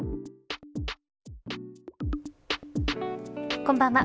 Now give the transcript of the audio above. こんばんは。